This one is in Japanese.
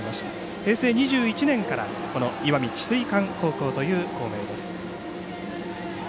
平成２１年から石見智翠館高校という校名です。